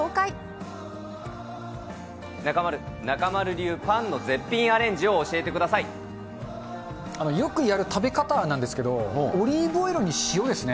中丸、中丸流パンの絶品アレよくやる食べ方なんですけど、オリーブオイルに塩ですね。